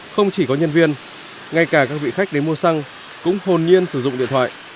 không chỉ có nhân viên ngay cả các vị khách đến mua xăng cũng hồn nhiên sử dụng điện thoại